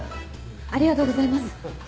ありがとうございます。